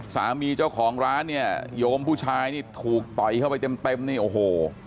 สามีเจ้าของร้านเนี่ยโยมผู้ชายนี่ถูกต่อยเข้าไปเต็มเต็มนี่โอ้โห